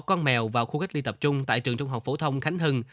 con mèo vào khu cách ly tập trung tại trường trung học phổ thông khánh hưng